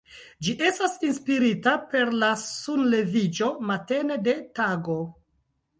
Ĝi estas inspirita per la sunleviĝo matene de tago.